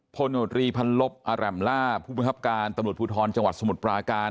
พลรีพันลบอร่ำลาภูมิภัพการตำรวจพูทธรณ์จังหวัดสมุทรปราการ